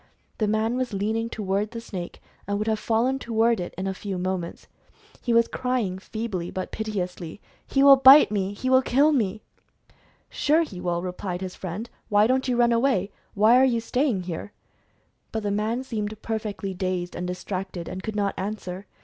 The man was leaning to ward the snake, and would have fallen toward it in a few moments. He was crying, feebly, but piteously, "He will bite me ! He will kill me !" "Sure, he will," replied his friend, "why don't you run away? Why are you staying here ?■" But the man seemed perfectly dazed, and distracted, and could not answer.